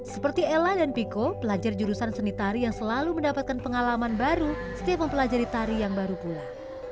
seperti ella dan piko pelajar jurusan seni tari yang selalu mendapatkan pengalaman baru setiap mempelajari tari yang baru pula